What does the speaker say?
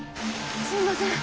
すみません